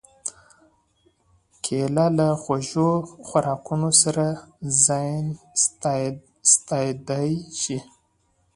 کېله له خوږو خوراکونو سره ځایناستېدای شي.